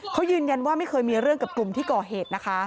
เขายืนยันว่าไม่เคยมีเรื่องกับกลุ่มที่ก่อเหตุนะคะ